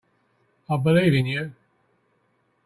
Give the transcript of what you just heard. I believe in you.